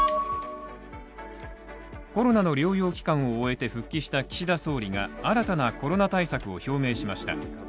コロナの療養期間を終えて復帰した岸田総理が新たなコロナ対策を表明しました。